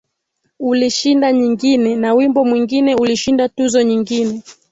Ulishinda nyingine na wimbo mwingine ulishinda tuzo nyingine